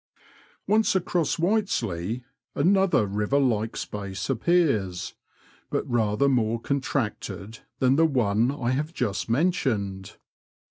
Once across Whiteslea, another river like space appears, but rather more contracted than the one I have just men tioned.